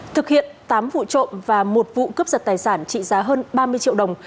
thực hiện tám vụ trộm và một vụ cướp giật tài sản trị giá hơn ba mươi triệu đồng